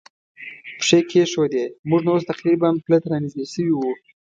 پښې کېښوودې، موږ نو اوس تقریباً پله ته را نږدې شوي و.